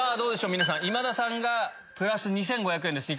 皆さん今田さんがプラス２５００円。